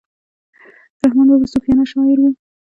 رحمان بابا صوفیانه شاعر وو.